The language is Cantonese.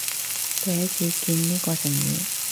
第一次見呢個成語